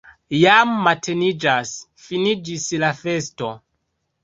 Jam mateniĝas, finiĝis la festo!